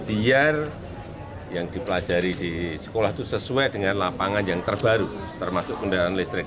biar yang dipelajari di sekolah itu sesuai dengan lapangan yang terbaru termasuk kendaraan listrik